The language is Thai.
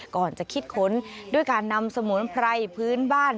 ก่อนจะคิดค้นด้วยการนำสมุนไพรพื้นบ้าน